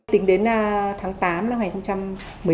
tính đến tháng tám năm hai nghìn một mươi chín